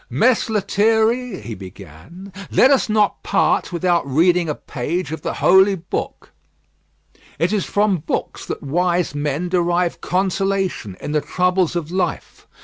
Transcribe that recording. "Mess Lethierry," he began, "let us not part without reading a page of the Holy Book. It is from books that wise men derive consolation in the troubles of life.